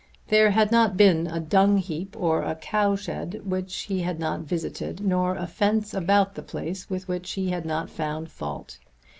There had not been a dungheap or a cowshed which he had not visited, nor a fence about the place with which he had not found fault.